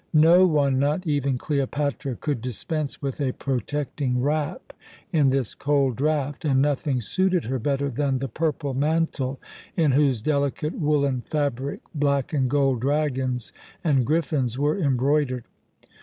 No one, not even Cleopatra, could dispense with a protecting wrap in this cold draught, and nothing suited her better than the purple mantle in whose delicate woollen fabric black and gold dragons and griffins were embroidered.